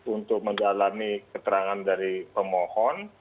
untuk mendalami keterangan dari pemohon